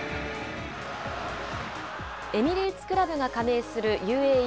エミレーツ・クラブが加盟するＵＡＥ